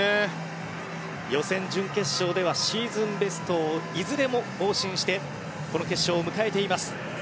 予選、準決勝ではシーズンベストをいずれも更新してこの決勝を迎えています。